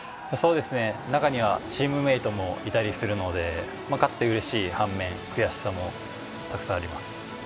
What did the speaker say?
中にはチームメートもいたりするので勝ってうれしい反面、悔しさもたくさんあります。